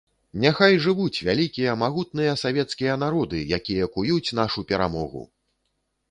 Няхай жывуць вялікія магутныя савецкія народы, якія куюць нашу перамогу!